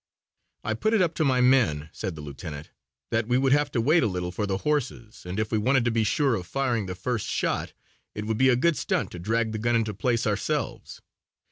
"I put it up to my men," said the lieutenant, "that we would have to wait a little for the horses and if we wanted to be sure of firing the first shot it would be a good stunt to drag the gun into place ourselves.